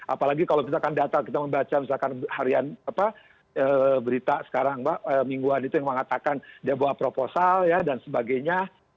apalagi kalau misalkan data kita membaca misalkan harian berita sekarang mingguan itu yang mengatakan dia bawa proposal ya dan sebagainya